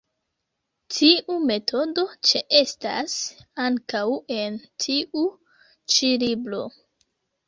Tiu metodo ĉeestas ankaŭ en tiu ĉi libro.